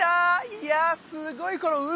いやすごいこの海。